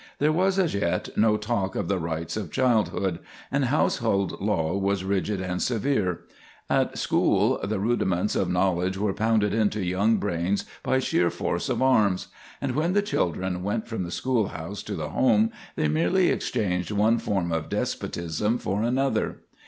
There was as yet no talk of the rights of childhood, and household law was rigid and severe. At school the rudiments of knowledge were pounded into young brains by sheer force of arm; and when the children went from the schoolhouse to the home, they merely exchanged one form of despotism for another.